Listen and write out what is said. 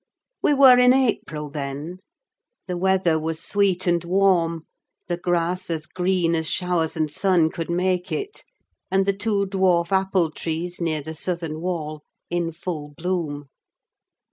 We were in April then: the weather was sweet and warm, the grass as green as showers and sun could make it, and the two dwarf apple trees near the southern wall in full bloom.